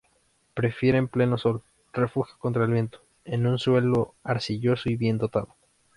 Prefieren pleno sol, refugio contra el viento, en un suelo arcilloso y bien dotado.